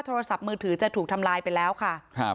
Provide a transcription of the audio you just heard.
โทรศัพท์มือถือจะถูกทำลายไปแล้วค่ะครับ